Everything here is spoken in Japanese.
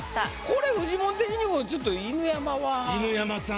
これフジモン的にもちょっと犬山は。